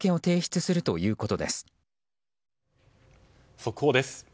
速報です。